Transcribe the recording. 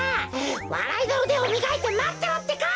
わらいのうでをみがいてまってろってか！